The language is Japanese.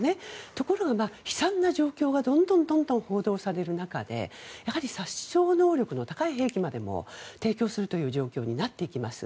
ところが悲惨な状況がどんどん報道される中でやはり殺傷能力の高い兵器までも提供するという状況になってきます。